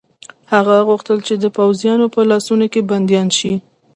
هغه غوښتل چې د پوځیانو په لاسونو کې بندیان شي.